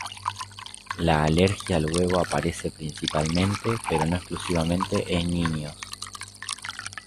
La alergia al huevo aparece principalmente, pero no exclusivamente, en niños.